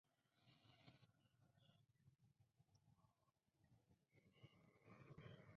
This process is called phonation and produces the sound of the human voice.